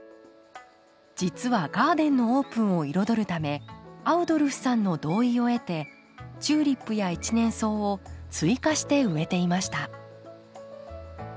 実はガーデンのオープンを彩るためアウドルフさんの同意を得てチューリップや一年草を追加して植えていました。